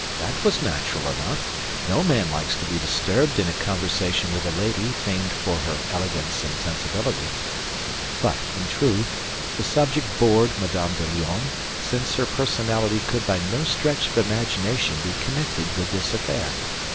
That was natural enough; no man likes to be disturbed in a conversation with a lady famed for her elegance and sensibility» But, in truth, the subject bored Madame de Lionne since her personality could by no stretch of imagination be connected with this affair.